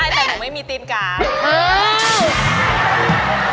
ใช่ผมไม่มีตินกวาด